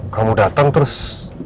kamu datang terus